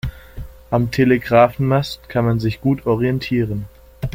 Am Telegrafenmast kann man sich gut orientieren.